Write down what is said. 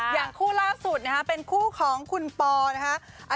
อย่างคู่ล่าสุดนะฮะเป็นคู่ของคุณปอนะคะ